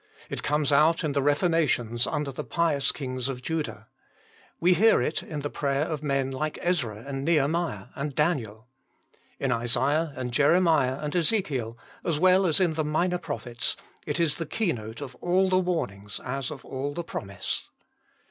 It comes out in the reformations under the pious Kings of Judah. We hear it in the prayer of men like Ezra and Nehemiah and Daniel. In Isaiah and Jeremiah and Ezekiel, as well as in the minor prophets, it is the keynote of all the warning as of all the promise.